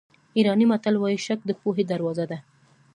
ایراني متل وایي شک د پوهې دروازه ده.